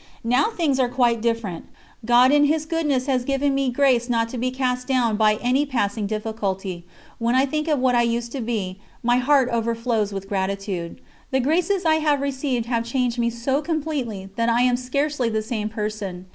Now, things are quite different. God in His goodness has given me grace not to be cast down by any passing difficulty. When I think of what I used to be, my heart overflows with gratitude. The graces I have received have changed me so completely, that I am scarcely the same person.